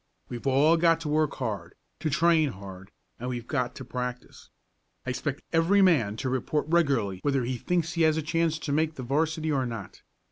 We've all got to work hard to train hard and we've got to practice. I expect every man to report regularly whether he thinks he has a chance to make the 'varsity or not.